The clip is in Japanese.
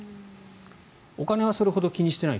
お金はそれほど気にしない。